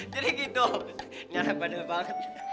jadi gitu gak ada padel banget